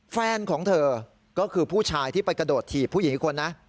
แฟนของเธอก็คือผู้ชายที่ไปกระโดดถีบผู้หญิงอีกคนนะ